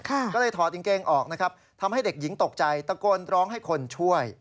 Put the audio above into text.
ก็เลยถอดกางเกงออกนะครับทำให้เด็กหญิงตกใจตะโกนร้องให้คนช่วย